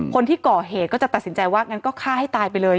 คนที่ก่อเหตุก็จะตัดสินใจว่างั้นก็ฆ่าให้ตายไปเลย